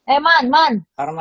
eh man man